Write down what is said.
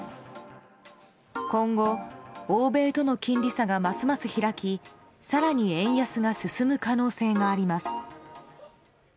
今後、欧米との金利差がますます開き更に円安が進む可能性があります。